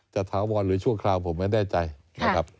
ถาวรหรือชั่วคราวผมไม่แน่ใจนะครับ